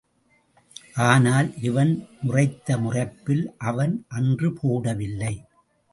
ஆனால், இவன் முறைத்த முறைப்பில், அவன், அன்று போடவில்லை.